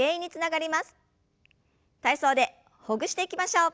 体操でほぐしていきましょう。